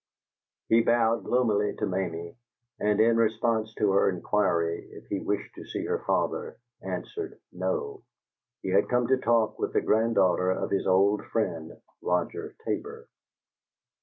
He bowed gloomily to Mamie, and in response to her inquiry if he wished to see her father, answered no; he had come to talk with the granddaughter of his old friend Roger Tabor.